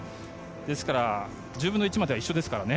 ですから、１０分の１までは一緒ですからね。